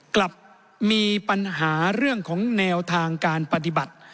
กลับมีปัญหาเรื่องของแนวทางการปฏิบัติ